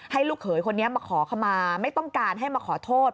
ลูกเขยคนนี้มาขอขมาไม่ต้องการให้มาขอโทษ